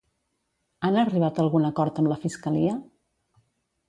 Han arribat a algun acord amb la fiscalia?